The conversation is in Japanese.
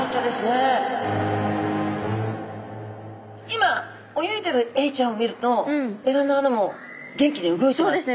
今泳いでるエイちゃんを見るとエラの穴も元気に動いてます。